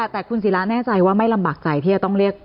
แต่คุณศิราแน่ใจว่าไม่ลำบากใจที่จะต้องเรียก